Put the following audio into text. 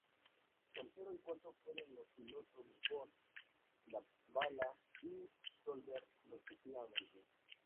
Tercero y cuarto fueron los pilotos de Ford, Latvala y Solberg respectivamente.